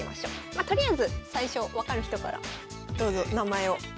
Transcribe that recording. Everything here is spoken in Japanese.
まとりあえず最初分かる人からどうぞ名前を。